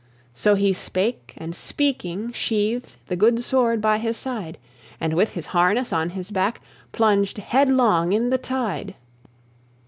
So he spake, and speaking sheathed The good sword by his side, And, with his harness on his back, Plunged headlong in the tide.